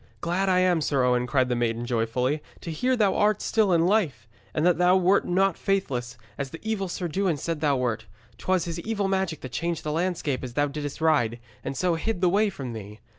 'Glad I am, Sir Owen,' cried the maiden joyfully, 'to hear thou art still in life, and that thou wert not faithless, as the evil Sir Dewin said thou wert. 'Twas his evil magic that changed the landscape as thou didst ride, and so hid the way from thee.